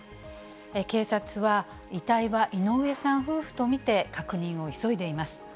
警察は、遺体は井上さん夫婦と見て、確認を急いでいます。